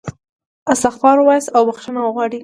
استغفار ووایاست او بخښنه وغواړئ.